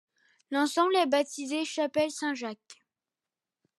L'ensemble est baptisé Chapelle Saint Jacques.